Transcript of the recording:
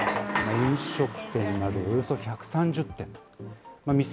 飲食店などおよそ１３０店。